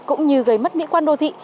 cũng như gây mất mỹ quan đô thị